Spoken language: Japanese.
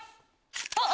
あっ！